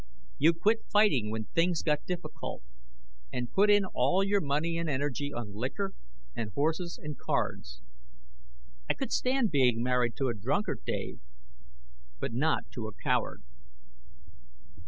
You quit fighting when things got difficult, and put in all your money and energy on liquor and horses and cards. I could stand being married to a drunkard, Dave, but not to a coward